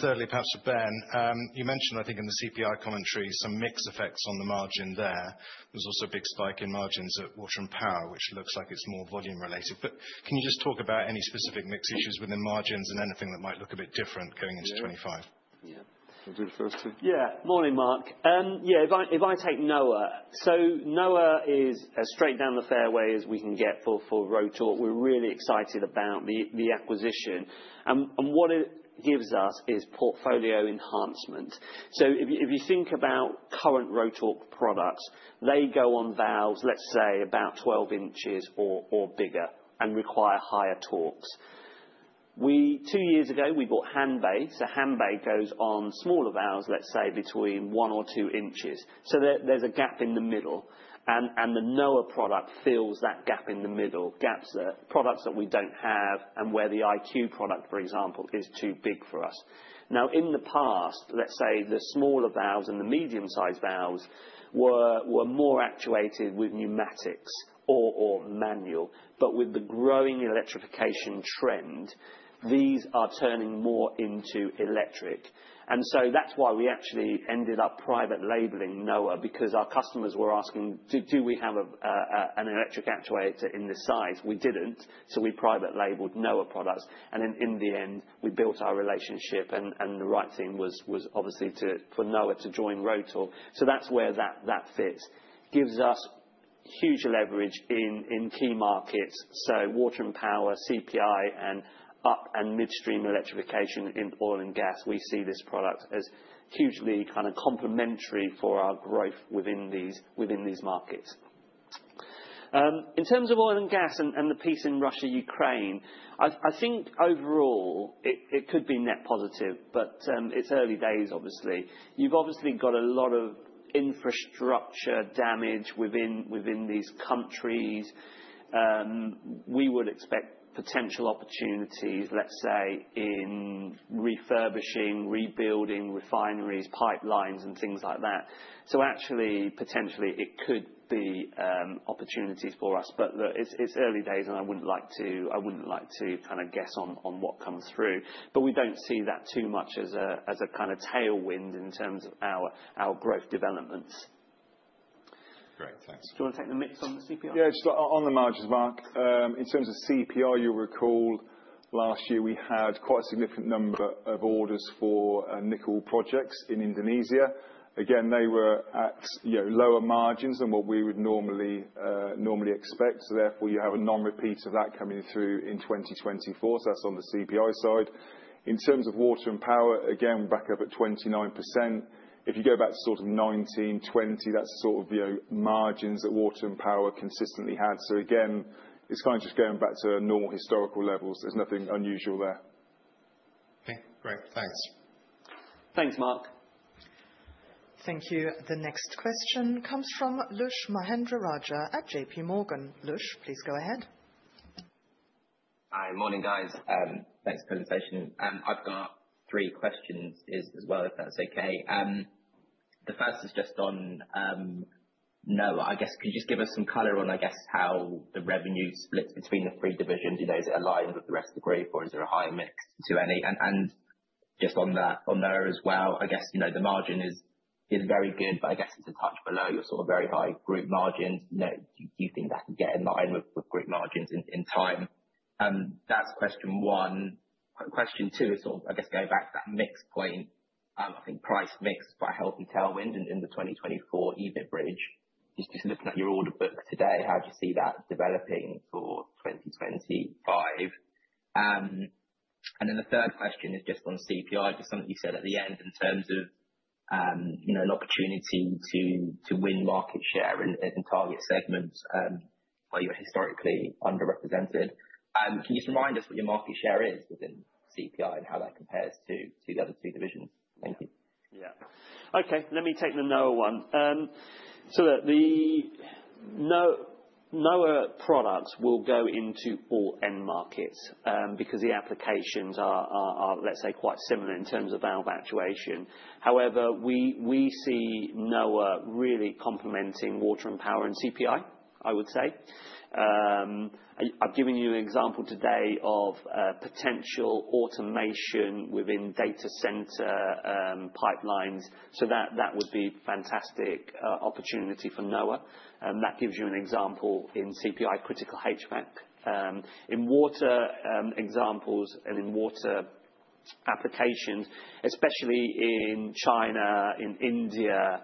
Thirdly, perhaps for Ben, you mentioned, I think, in the CPI commentary, some mixed effects on the margin there. There is also a big spike in margins at water and power, which looks like it is more volume related. Can you just talk about any specific mixed issues within margins and anything that might look a bit different going into 2025? Yeah. We will do the first two. Yeah. Morning, Mark. Yeah, if I take NOAH, so NOAH is as straight down the fairway as we can get for Rotork. We are really excited about the acquisition. What it gives us is portfolio enhancement. If you think about current Rotork products, they go on valves, let's say, about 12 inches or bigger and require higher torques. Two years ago, we bought Hanbay. Hanbay goes on smaller valves, let's say, between one or two inches. There is a gap in the middle. The NOAH product fills that gap in the middle, products that we do not have and where the IQ product, for example, is too big for us. In the past, let's say the smaller valves and the medium-sized valves were more actuated with pneumatics or manual. With the growing electrification trend, these are turning more into electric. That is why we actually ended up private labeling NOAH, because our customers were asking, do we have an electric actuator in this size? We did not. We private labeled NOAH products. In the end, we built our relationship. The right thing was obviously for NOAH to join Rotork. That is where that fits. Gives us huge leverage in key markets. Water and power, CPI, and up and midstream electrification in oil and gas, we see this product as hugely kind of complementary for our growth within these markets. In terms of oil and gas and the piece in Russia-Ukraine, I think overall it could be net positive, but it's early days, obviously. You've obviously got a lot of infrastructure damage within these countries. We would expect potential opportunities, let's say, in refurbishing, rebuilding, refineries, pipelines, and things like that. Actually, potentially, it could be opportunities for us. It's early days, and I wouldn't like to kind of guess on what comes through. We don't see that too much as a kind of tailwind in terms of our growth developments. Great. Thanks. Do you want to take the mix on the CPI? Yeah, just on the margins, Mark. In terms of CPI, you'll recall last year we had quite a significant number of orders for nickel projects in Indonesia. Again, they were at lower margins than what we would normally expect. Therefore, you have a non-repeat of that coming through in 2024. That's on the CPI side. In terms of water and power, we're back up at 29%. If you go back to sort of 2019, 2020, that's sort of margins that water and power consistently had. It's kind of just going back to normal historical levels. There's nothing unusual there. Okay. Great. Thanks. Thanks, Mark. Thank you. The next question comes from Lush Mahendra Raja at JP Morgan. Lush, please go ahead. Hi, morning, guys. Thanks for the invitation. I've got three questions as well, if that's okay. The first is just on NOAH. I guess, could you just give us some color on, I guess, how the revenue splits between the three divisions? Is it aligned with the rest of the group, or is there a higher mix to any? Just on NOAH as well, I guess the margin is very good, but I guess it's a touch below your sort of very high group margins. Do you think that could get in line with group margins in time? That's question one. Question two is sort of, I guess, going back to that mix point. I think price mix is quite a healthy tailwind in the 2024 EBITDA bridge. Just looking at your order book today, how do you see that developing for 2025? The third question is just on CPI, just something you said at the end in terms of an opportunity to win market share in target segments where you're historically underrepresented. Can you just remind us what your market share is within CPI and how that compares to the other two divisions? Thank you. Yeah. Okay. Let me take the NOAH one. The NOAH product will go into all end markets because the applications are, let's say, quite similar in terms of valve actuation. However, we see NOAH really complementing water and power and CPI, I would say. I've given you an example today of potential automation within data center pipelines. That would be a fantastic opportunity for NOAH. That gives you an example in CPI critical HVAC. In water examples and in water applications, especially in China, in India,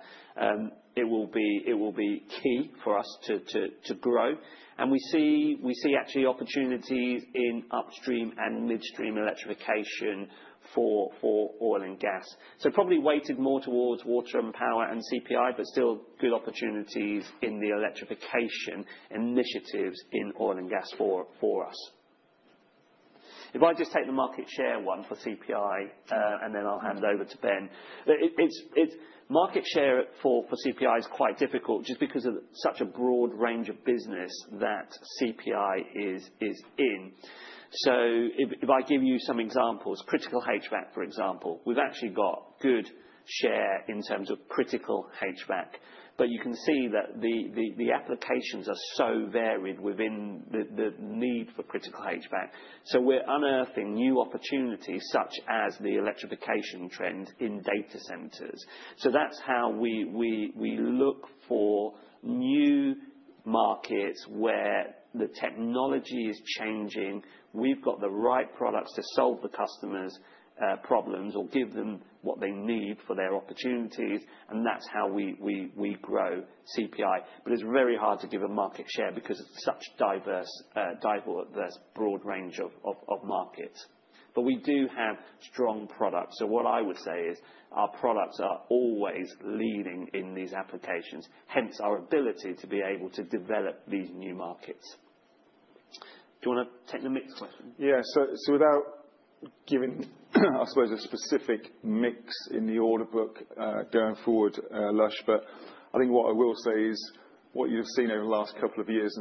it will be key for us to grow. We see actually opportunities in upstream and midstream electrification for oil and gas. Probably weighted more towards water and power and CPI, but still good opportunities in the electrification initiatives in oil and gas for us. If I just take the market share one for CPI, then I'll hand it over to Ben. Market share for CPI is quite difficult just because of such a broad range of business that CPI is in. If I give you some examples, critical HVAC, for example, we've actually got good share in terms of critical HVAC. You can see that the applications are so varied within the need for critical HVAC. We're unearthing new opportunities such as the electrification trend in data centers. That is how we look for new markets where the technology is changing. We have the right products to solve the customer's problems or give them what they need for their opportunities. That is how we grow CPI. It is very hard to give a market share because it is such a diverse, broad range of markets. We do have strong products. What I would say is our products are always leading in these applications, hence our ability to be able to develop these new markets. Do you want to take the mix question? Yeah. Without giving, I suppose, a specific mix in the order book going forward, Lush, what I will say is what you have seen over the last couple of years.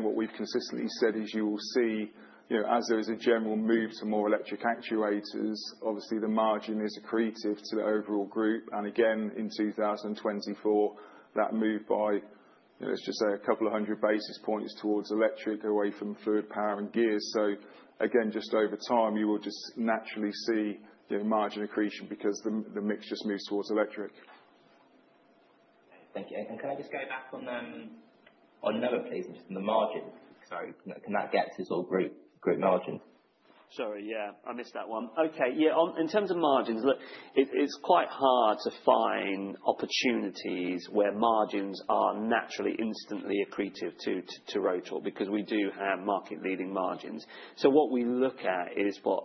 What we've consistently said is you will see, as there is a general move to more electric actuators, obviously the margin is accretive to the overall group. In 2024, that move by, let's just say, a couple of hundred basis points towards electric away from fluid power and gears. Over time, you will just naturally see margin accretion because the mix just moves towards electric. Thank you. Can I just go back on NOAH, please, and just on the margin? Can that get to sort of group margin? Sorry. I missed that one. Okay. In terms of margins, look, it's quite hard to find opportunities where margins are naturally instantly accretive to Rotork because we do have market-leading margins. What we look at is what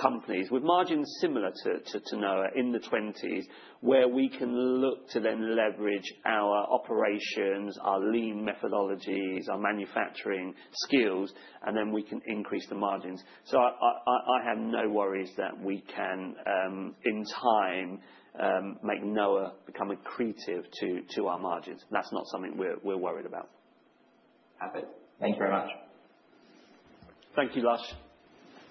companies with margins similar to NOAH in the 20s where we can look to then leverage our operations, our lean methodologies, our manufacturing skills, and then we can increase the margins. I have no worries that we can, in time, make NOAH become accretive to our margins. That's not something we're worried about. Perfect. Thank you very much. Thank you, Lush.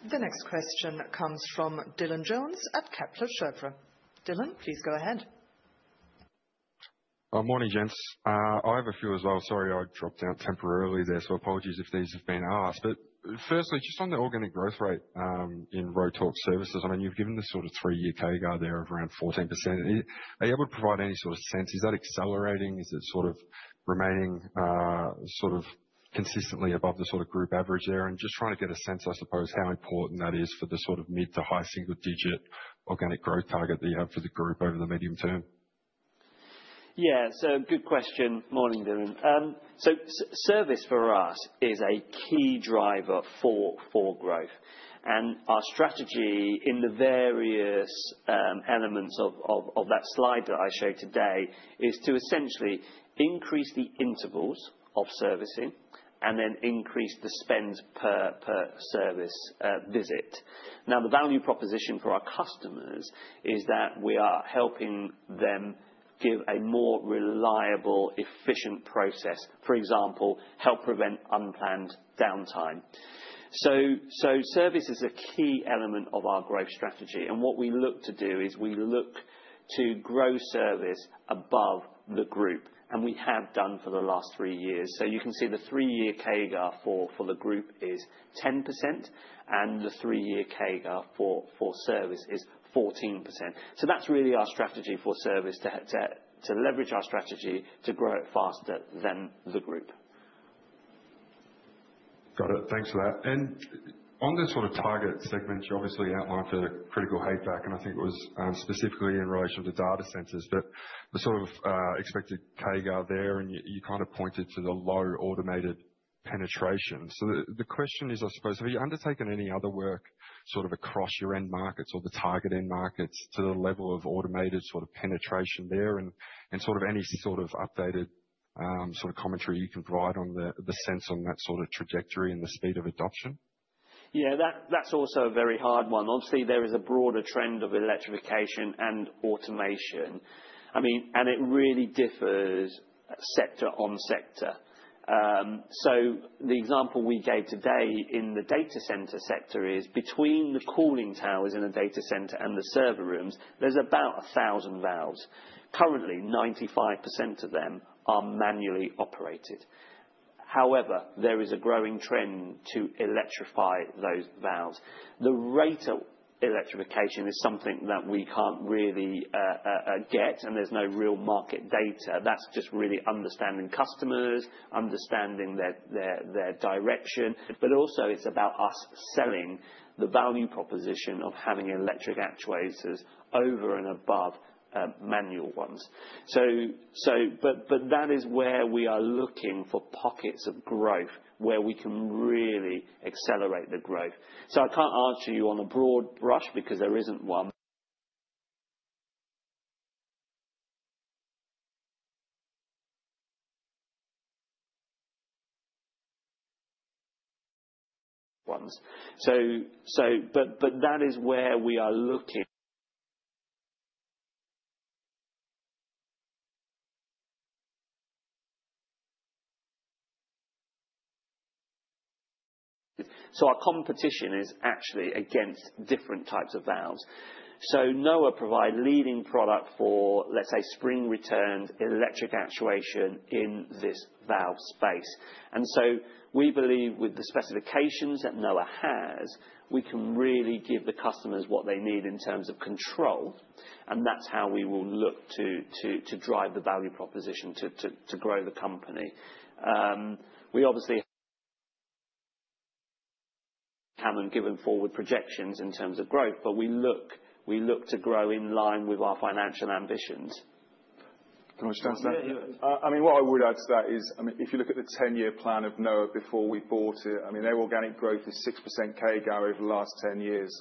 The next question comes from Dylan Jones at Kepler Cheuvreux. Dylan, please go ahead. Morning, gents. I have a few as well. Sorry, I dropped out temporarily there, so apologies if these have been asked. Firstly, just on the organic growth rate in Rotork Service, I mean, you've given the sort of three-year CAGR there of around 14%. Are you able to provide any sort of sense? Is that accelerating? Is it sort of remaining sort of consistently above the sort of group average there? Just trying to get a sense, I suppose, how important that is for the sort of mid to high single-digit organic growth target that you have for the group over the medium term. Yeah. Good question. Morning, Dylan. Service for us is a key driver for growth. Our strategy in the various elements of that slide that I showed today is to essentially increase the intervals of servicing and then increase the spend per service visit. Now, the value proposition for our customers is that we are helping them give a more reliable, efficient process, for example, help prevent unplanned downtime. Service is a key element of our growth strategy. What we look to do is we look to grow service above the group, and we have done for the last three years. You can see the three-year CAGR for the group is 10%, and the three-year CAGR for service is 14%. That is really our strategy for service, to leverage our strategy to grow it faster than the group. Got it. Thanks for that. On the sort of target segment, you obviously outlined for critical HVAC, and I think it was specifically in relation to data centers, but the sort of expected CAGR there, and you kind of pointed to the low automated penetration. The question is, I suppose, have you undertaken any other work sort of across your end markets or the target end markets to the level of automated sort of penetration there and sort of any sort of updated sort of commentary you can provide on the sense on that sort of trajectory and the speed of adoption? Yeah, that's also a very hard one. Obviously, there is a broader trend of electrification and automation. I mean, and it really differs sector on sector. The example we gave today in the data center sector is between the cooling towers in a data center and the server rooms, there's about 1,000 valves. Currently, 95% of them are manually operated. However, there is a growing trend to electrify those valves. The rate of electrification is something that we can't really get, and there's no real market data. That's just really understanding customers, understanding their direction. It is also about us selling the value proposition of having electric actuators over and above manual ones. That is where we are looking for pockets of growth where we can really accelerate the growth. I can't answer you on a broad brush because there isn't one. That is where we are looking. Our competition is actually against different types of valves. NOAH provides leading product for, let's say, spring-returned electric actuation in this valve space. We believe with the specifications that NOAH has, we can really give the customers what they need in terms of control. That is how we will look to drive the value proposition to grow the company. We obviously haven't given forward projections in terms of growth, but we look to grow in line with our financial ambitions. Can I just ask that? I mean, what I would add to that is, I mean, if you look at the 10-year plan of NOAH before we bought it, I mean, their organic growth is 6% CAGR over the last 10 years.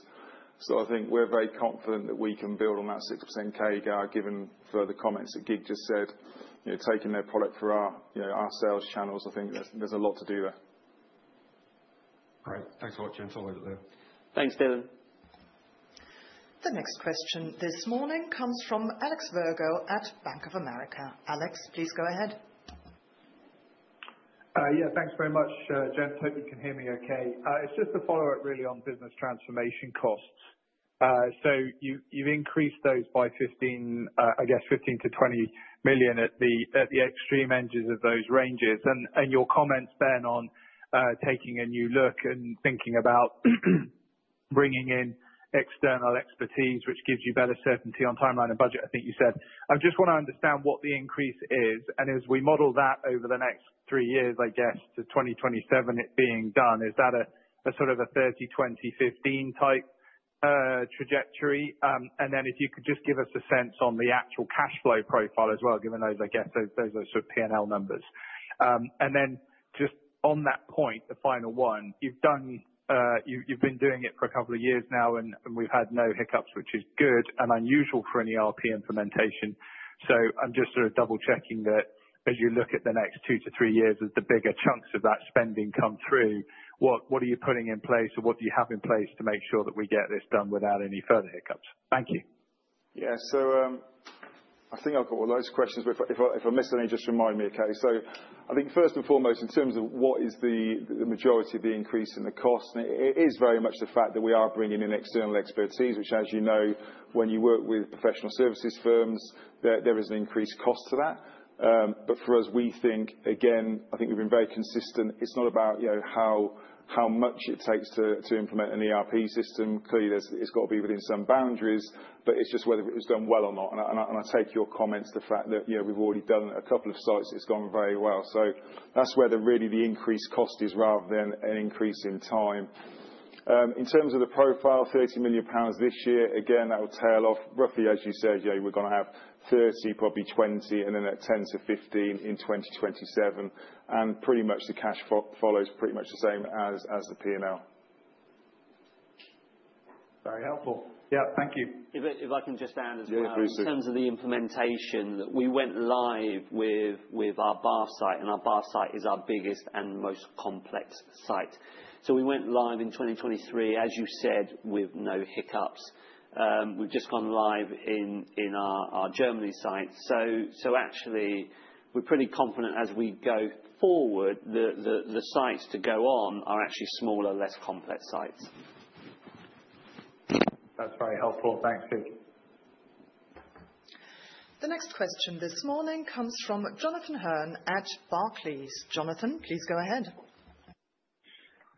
I think we're very confident that we can build on that 6% CAGR given further comments that Kiet just said, taking their product for our sales channels. I think there's a lot to do there. Great. Thanks a lot, gents. I'll leave it there. Thanks, Dylan. The next question this morning comes from Alex Virgo at Bank of America. Alex, please go ahead. Yeah, thanks very much, gents. Hope you can hear me okay. It's just a follow-up really on business transformation costs. You've increased those by, I guess, 15 million-20 million at the extreme ends of those ranges. Your comments then on taking a new look and thinking about bringing in external expertise, which gives you better certainty on timeline and budget, I think you said. I just want to understand what the increase is. As we model that over the next three years, I guess, to 2027, it being done, is that a sort of a 30, 20, 15 type trajectory? If you could just give us a sense on the actual cash flow profile as well, given those, I guess, those are sort of P&L numbers. On that point, the final one, you've been doing it for a couple of years now, and we've had no hiccups, which is good and unusual for an ERP implementation. I'm just sort of double-checking that as you look at the next two to three years, as the bigger chunks of that spending come through, what are you putting in place, or what do you have in place to make sure that we get this done without any further hiccups? Thank you. Yeah. I think I've got all those questions. If I missed any, just remind me, okay? I think first and foremost, in terms of what is the majority of the increase in the cost, it is very much the fact that we are bringing in external expertise, which, as you know, when you work with professional services firms, there is an increased cost to that. For us, we think, again, I think we've been very consistent. It's not about how much it takes to implement an ERP system. Clearly, it's got to be within some boundaries, but it's just whether it's done well or not. I take your comments to the fact that we've already done a couple of sites. It's gone very well. That's where really the increased cost is rather than an increase in time. In terms of the profile, 30 million pounds this year, again, that will tail off roughly, as you said, we're going to have 30, probably 20, and then at 10-15 in 2027. Pretty much the cash follows pretty much the same as the P&L. Very helpful. Yeah. Thank you. If I can just add as well in terms of the implementation, we went live with our Bath site, and our Bath site is our biggest and most complex site. We went live in 2023, as you said, with no hiccups. We've just gone live in our Germany site. Actually, we're pretty confident as we go forward, the sites to go on are actually smaller, less complex sites. That's very helpful. Thanks, Kiet. The next question this morning comes from Jonathan Hearn at Barclays. Jonathan, please go ahead.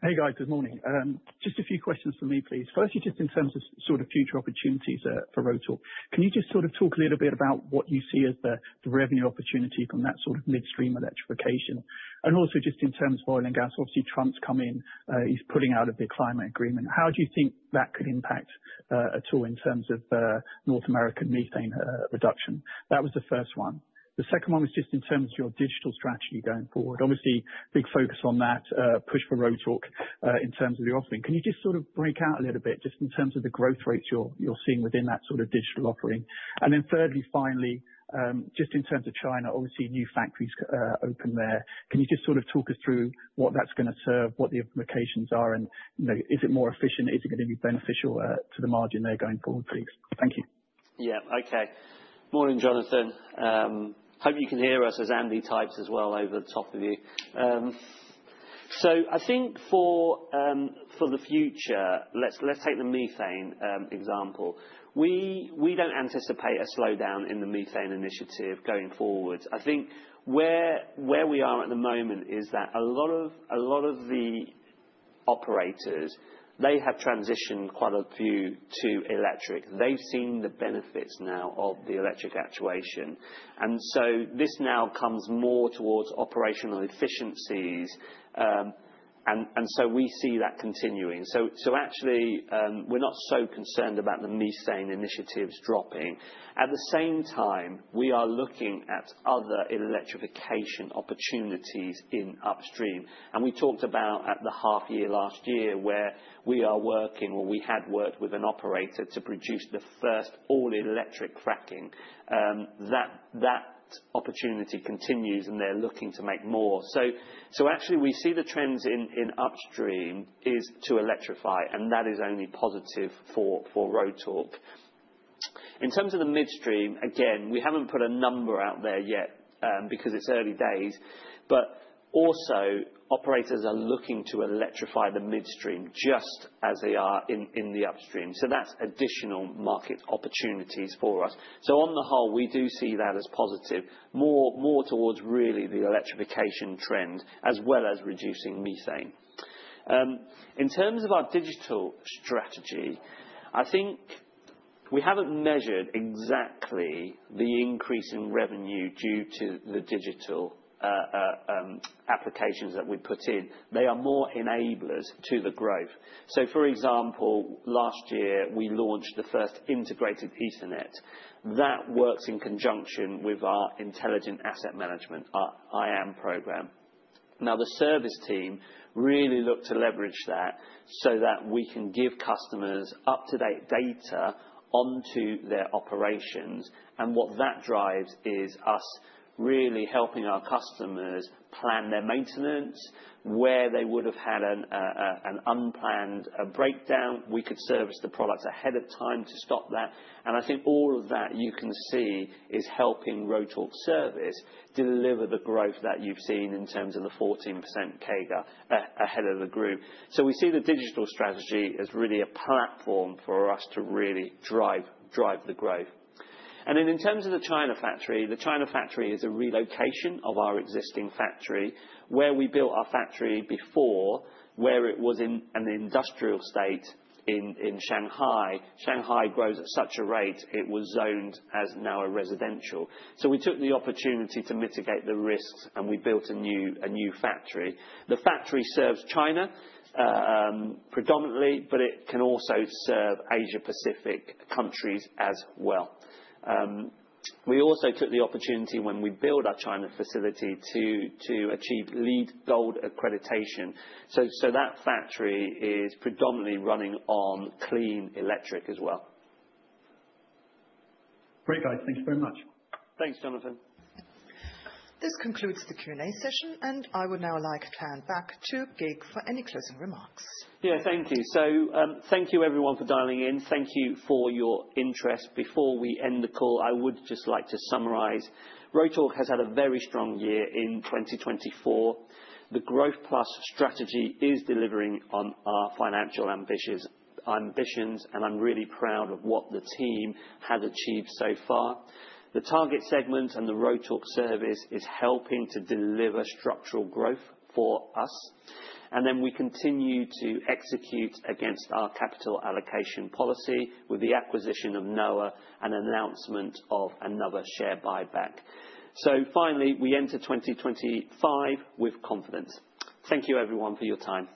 Hey, guys. Good morning. Just a few questions for me, please. Firstly, just in terms of sort of future opportunities for Rotork, can you just sort of talk a little bit about what you see as the revenue opportunity from that sort of midstream electrification? Also, just in terms of oil and gas, obviously, Trump's come in. He's pulling out of the climate agreement. How do you think that could impact at all in terms of North American methane reduction? That was the first one. The second one was just in terms of your digital strategy going forward. Obviously, big focus on that push for Rochelle in terms of the offering. Can you just sort of break out a little bit just in terms of the growth rates you're seeing within that sort of digital offering? And then thirdly, finally, just in terms of China, obviously, new factories open there. Can you just sort of talk us through what that's going to serve, what the implications are, and is it more efficient? Is it going to be beneficial to the margin there going forward, please? Thank you. Yeah. Okay. Morning, Jonathan. Hope you can hear us as Andy types as well over the top of you. I think for the future, let's take the methane example. We don't anticipate a slowdown in the methane initiative going forward. I think where we are at the moment is that a lot of the operators, they have transitioned quite a few to electric. They've seen the benefits now of the electric actuation. This now comes more towards operational efficiencies. We see that continuing. Actually, we're not so concerned about the methane initiatives dropping. At the same time, we are looking at other electrification opportunities in upstream. We talked about at the half-year last year where we are working, or we had worked with an operator to produce the first all-electric fracking. That opportunity continues, and they're looking to make more. Actually, we see the trends in upstream is to electrify, and that is only positive for Rotork. In terms of the midstream, again, we have not put a number out there yet because it is early days, but also operators are looking to electrify the midstream just as they are in the upstream. That is additional market opportunities for us. On the whole, we do see that as positive, more towards really the electrification trend as well as reducing methane. In terms of our digital strategy, I think we have not measured exactly the increase in revenue due to the digital applications that we put in. They are more enablers to the growth. For example, last year, we launched the first integrated ethernet that works in conjunction with our intelligent asset management, our IAM program. The service team really looked to leverage that so that we can give customers up-to-date data onto their operations. What that drives is us really helping our customers plan their maintenance where they would have had an unplanned breakdown. We could service the product ahead of time to stop that. I think all of that you can see is helping Rotork Service deliver the growth that you've seen in terms of the 14% CAGR ahead of the group. We see the digital strategy as really a platform for us to really drive the growth. In terms of the China factory, the China factory is a relocation of our existing factory where we built our factory before, where it was in an industrial estate in Shanghai. Shanghai grows at such a rate. It was zoned as now a residential. We took the opportunity to mitigate the risks, and we built a new factory. The factory serves China predominantly, but it can also serve Asia-Pacific countries as well. We also took the opportunity when we built our China facility to achieve LEED Gold accreditation. That factory is predominantly running on clean electric as well. Great, guys. Thank you very much. Thanks, Jonathan. This concludes the Q&A session, and I would now like to turn back to Kiet for any closing remarks. Thank you. Thank you, everyone, for dialing in. Thank you for your interest. Before we end the call, I would just like to summarize. Rotork has had a very strong year in 2024. The Growth Plus strategy is delivering on our financial ambitions, and I am really proud of what the team has achieved so far. The target segment and the Rotork Service is helping to deliver structural growth for us. We continue to execute against our capital allocation policy with the acquisition of NOAH and announcement of another share buyback. Finally, we enter 2025 with confidence. Thank you, everyone, for your time.